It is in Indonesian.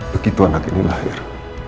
begitu anak ini lahir